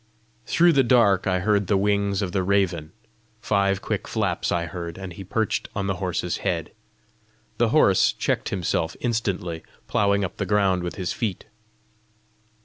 Through the dark I heard the wings of the raven. Five quick flaps I heard, and he perched on the horse's head. The horse checked himself instantly, ploughing up the ground with his feet.